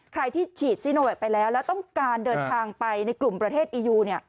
ใครที่ฉีดซีโนแวคไปแล้วแล้วต้องการเดินทางไปในกลุ่มประเทศอียู